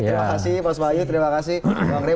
terima kasih pak soebayu terima kasih bang ria